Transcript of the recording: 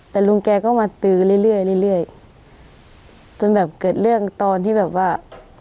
แต่ลุงแกก็มาตือเรื่อยเรื่อยจนแบบเกิดเรื่องตอนที่แบบว่า